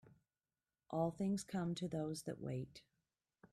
All things come to those that wait.